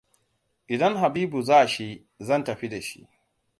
Idan Habibua za shi, zan tafi da shi.